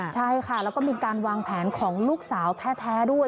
ใช่ค่ะแล้วก็มีการวางแผนของลูกสาวแท้ด้วย